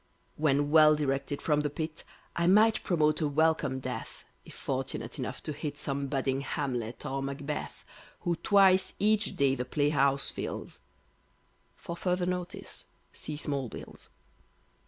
When well directed from the Pit, I might promote a welcome death, If fortunate enough to hit Some budding Hamlet or Macbeth, Who twice each day the playhouse fills, (For further Notice See Small Bills).